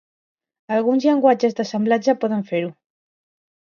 Alguns llenguatges d'assemblatge poden fer-ho.